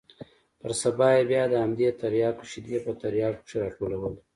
پر سبا يې بيا د همدې ترياکو شېدې په ترياكيو کښې راټولولې.